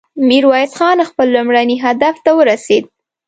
ميرويس خان خپل لومړني هدف ته ورسېد.